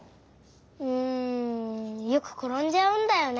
うんよくころんじゃうんだよね。